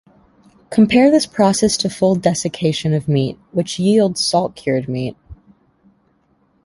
Compare this process to full desiccation of meat, which yields salt-cured meat.